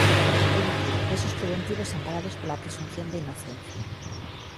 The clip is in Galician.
É dicir, presos preventivos amparados pola presunción de inocencia.